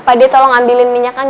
pak dia tolong ambilin minyaknya